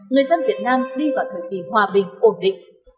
người dân việt nam đi vào thời kỳ hòa bình ổn định